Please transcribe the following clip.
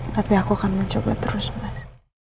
tapi aku akan mencoba terus merasa